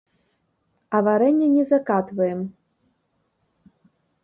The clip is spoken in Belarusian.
А варэнне не закатваем.